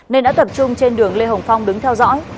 nên đã tập trung trên đường lê hồng phong đứng theo dõi